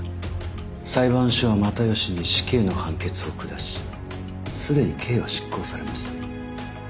裁判所は又吉に死刑の判決を下し既に刑は執行されました。